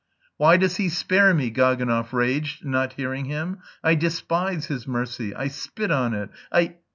"Why does he spare me?" Gaganov raged, not hearing him. "I despise his mercy.... I spit on it.... I..."